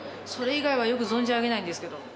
それ以外はよく存じ上げないんですけど。